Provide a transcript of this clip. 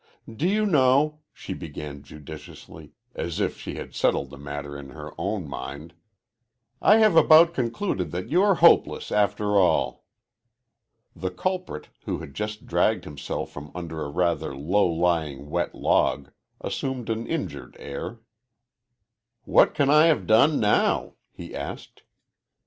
"Do you know," she began judicially, as if she had settled the matter in her own mind, "I have about concluded that you are hopeless, after all." The culprit, who had just dragged himself from under a rather low lying wet log, assumed an injured air. "What can I have done, now?" he asked.